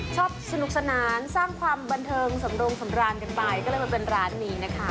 สนุกสนานสร้างความบันเทิงสำรงสำราญกันไปก็เลยมาเป็นร้านนี้นะคะ